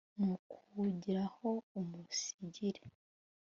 ni ukukugiraho umusigire